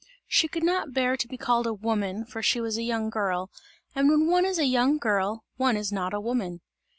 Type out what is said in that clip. She could not bear to be called a woman, for she was a young girl, and when one is a young girl, one is not a woman.